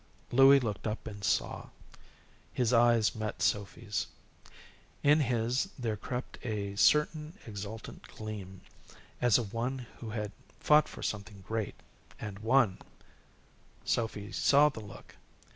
Louie looked up and saw. His eyes met Sophy's. In his there crept a certain exultant gleam, as of one who had fought for something great and won. Sophy saw the look.